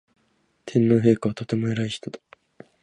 天皇陛下はとても偉い人だ